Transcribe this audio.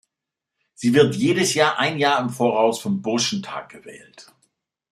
Sie wird jedes Jahr ein Jahr im Voraus vom Burschentag gewählt.